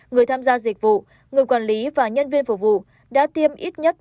người tham gia dịch vụ người quản lý và nhân viên phục vụ đã tiêm ít nhất